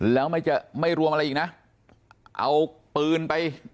แล้วไม่จะไม่รวมอะไรอีกนะเอาปืนไป